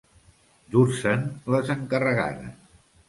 Dur-se'n les encarregades.